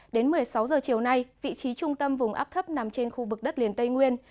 đến một mươi sáu h chiều nay vị trí trung tâm vùng áp thấp nằm trên khu vực đất liền tây nguyên